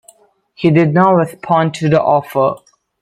He did not respond to the offer.